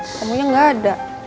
kamunya nggak ada